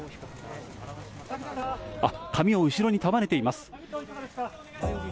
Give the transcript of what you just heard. あ、髪を後ろに束ねています。